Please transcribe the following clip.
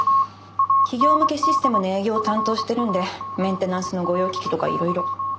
企業向けシステムの営業を担当してるんでメンテナンスの御用聞きとかいろいろ。